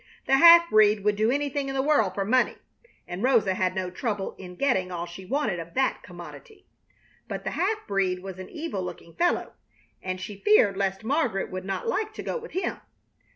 The half breed would do anything in the world for money, and Rosa had no trouble in getting all she wanted of that commodity. But the half breed was an evil looking fellow, and she feared lest Margaret would not like to go with him.